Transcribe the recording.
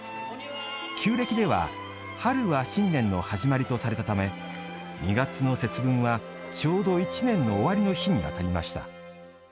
旧暦では春は新年の始まりとされたため２月の節分は、ちょうど１年の終わりの日にあたりました。